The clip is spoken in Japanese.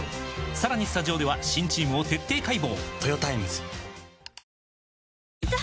さらにスタジオでは新チームを徹底解剖！